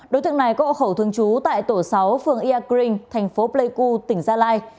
đối tượng này cậu khẩu thường trú tại tổ sáu phường ia kring thành phố pleiku tỉnh gia lai